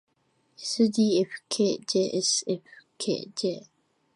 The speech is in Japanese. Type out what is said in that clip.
ｓｄｆｋｊｓｆｋｊ